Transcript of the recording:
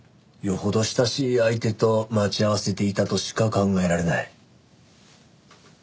よほど親しい相手と待ち合わせていたとしか考えられない。